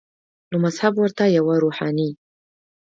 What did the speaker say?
نو مذهب ورته یوه روحاني